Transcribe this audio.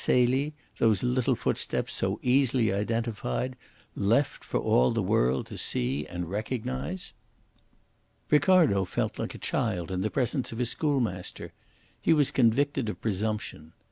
Celie those little footsteps so easily identified left for all the world to see and recognise?" Ricardo felt like a child in the presence of his schoolmaster. He was convicted of presumption.